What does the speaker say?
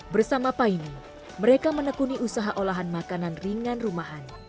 bersama paine mereka menekuni usaha olahan makanan ringan rumahan